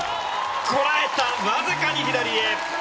こらえた、わずかに左へ。